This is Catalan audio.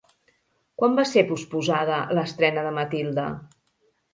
Quan va ser posposada l'estrena de Matilde?